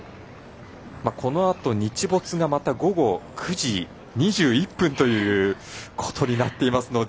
このあと、日没がまた午後９時２１分ということになっていますので。